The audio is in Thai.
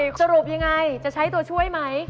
สรุปยังไงเป้ยนังไงจะใช้ตัวช่วยไม